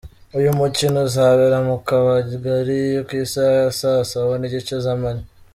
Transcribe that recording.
Uyu mukino uzabera mu Kabagari ku isaha ya saa saba n’igice z’amanywa.